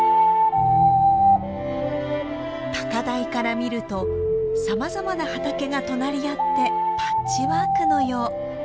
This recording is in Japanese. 高台から見るとさまざまな畑が隣り合ってパッチワークのよう。